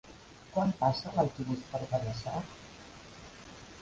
Quan passa l'autobús per Benassal?